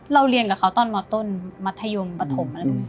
เรียนกับเขาตอนมต้นมัธยมปฐม